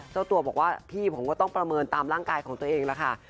เจ้าตัวบอกว่าพี่ผมก็ต้องประเมินตามร่างกายของตัวเองแล้วค่ะ